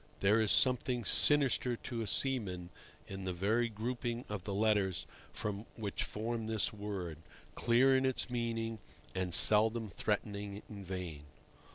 There is something sinister to a seaman in the very grouping of the letters which form this word, clear in its meaning, and seldom threatening in vain.